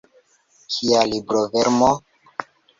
Kia librovermo!